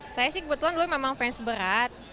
saya sih kebetulan dulu memang fans berat